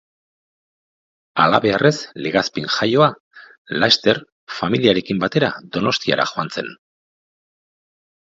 Halabeharrez Legazpin jaioa, laster familiarekin batera Donostiara joan zen.